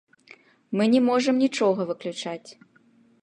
Мы не можам нічога выключаць.